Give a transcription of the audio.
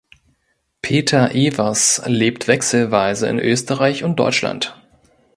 Peter Evers lebt wechselweise in Österreich und Deutschland.